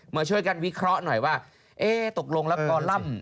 มาช่วยกันวิเคราะห์หน่อยว่าเอ๊ะตกลงแล้วคอลัมป์